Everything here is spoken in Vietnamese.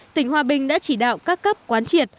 tỉnh hòa bình đã chỉ đạo các cấp quán triệt